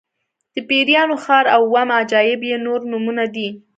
د پیریانو ښار او اووم عجایب یې نور نومونه دي.